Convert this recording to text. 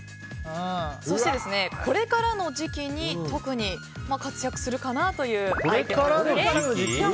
そして、これからの時期に特に活躍するかなというアイテムです。